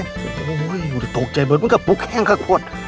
โอ้โฮเหมือนจะตกใจเบาะมันก็ปลูกแห้งข้าวขวด